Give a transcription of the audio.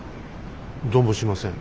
どうもしません。